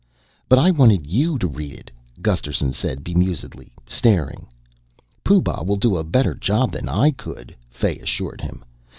"But I wanted you to read it," Gusterson said bemusedly, staring. "Pooh Bah will do a better job than I could," Fay assured him.